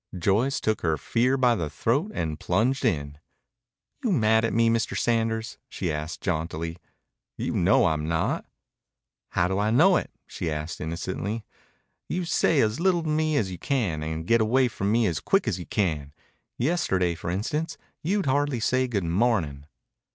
Joyce took her fear by the throat and plunged in. "You mad at me, Mr. Sanders?" she asked jauntily. "You know I'm not." "How do I know it?" she asked innocently. "You say as little to me as you can, and get away from me as quick as you can. Yesterday, for instance, you'd hardly say 'Good morning.'"